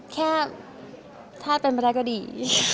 แค่ถ้าเป็นไปได้ก็ดี